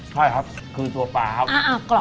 ใช่ครับคือตัวปลาครับ